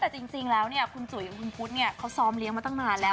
แต่จริงแล้วคุณจุ๋ยคุณพุธเขาซ้อมเลี้ยงมาตั้งนานแล้ว